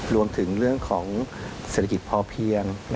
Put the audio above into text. รวมถึงเรื่องของเศรษฐกิจพอเพียง